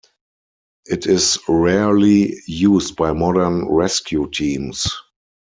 It is rarely used by modern rescue teams.